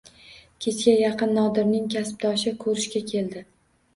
Kechga yaqin Nodirning kasbdoshi ko`rishga keldi